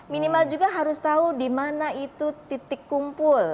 minimal juga harus tahu di mana itu titik kumpul